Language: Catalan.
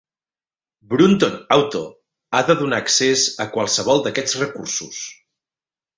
Brunton Auto ha de donar a accés a qualsevol d'aquests recursos.